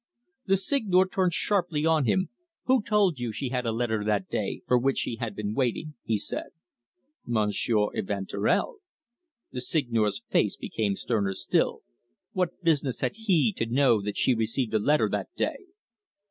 The Seigneur turned sharply on him. "Who told you she had a letter that day, for which she had been waiting?" he said. "Monsieur Evanturel." The Seigneur's face became sterner still. "What business had he to know that she received a letter that day?"